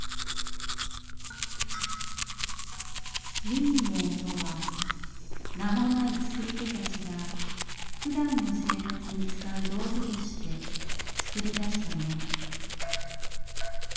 民藝とは名もない作り手たちがふだんの生活に使う道具として作り出したもの。